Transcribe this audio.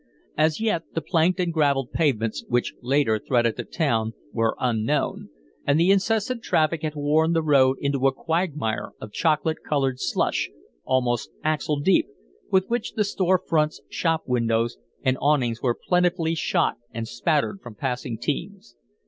As yet, the planked and gravelled pavements, which later threaded the town, were unknown, and the incessant traffic had worn the road into a quagmire of chocolate colored slush, almost axle deep, with which the store fronts, show windows, and awnings were plentifully shot and spattered from passing teams.